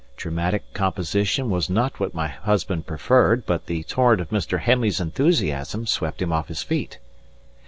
Dramatic composition was not what my husband preferred, but the torrent of Mr. Henley's enthusiasm swept him off his feet.